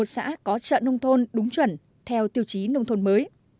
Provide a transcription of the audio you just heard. một mươi một xã có chợ nông thôn đúng chuẩn theo tiêu chí nông thôn mới